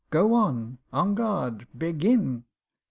"Go on!" "En garde!" "Begin!"